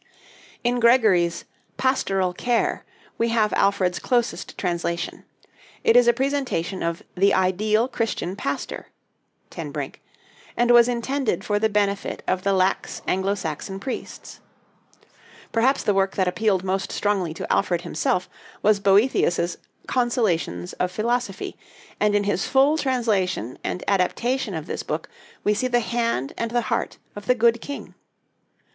In Gregory's 'Pastoral Care' we have Alfred's closest translation. It is a presentation of "the ideal Christian pastor" (Ten Brink), and was intended for the benefit of the lax Anglo Saxon priests. Perhaps the work that appealed most strongly to Alfred himself was Boethius's 'Consolations of Philosophy'; and in his full translation and adaptation of this book we see the hand and the heart of the good king.